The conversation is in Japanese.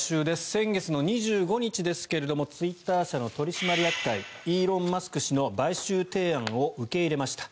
先月２５日ですがツイッター社の取締役会イーロン・マスク氏の買収提案を受け入れました。